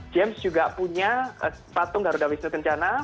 james juga punya patung garuda wisnu kencana